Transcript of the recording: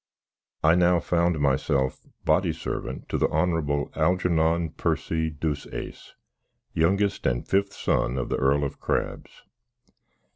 I now found myself boddy servant to the Honrabble Halgernon Percy Deuceace, youngest and fith son of the Earl of Crabs.